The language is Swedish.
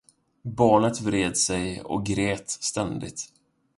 Barnet vred sig och gret ständigt.